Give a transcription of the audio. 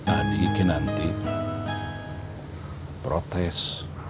adiknya nanti protes